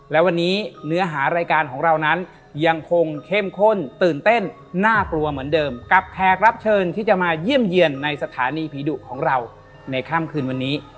และวันนี้เนื้อหารายการของเรานั้นยังคงเข้มข้นตื่นเต้นน่ากลัวเหมือนเดิมกับแขกรับเชิญที่จะมาเยี่ยมเยี่ยมในสถานีผีดุของเราในค่ำคืนวันนี้